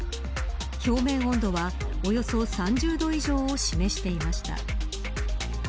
表面温度はおよそ３０度以上を示していました。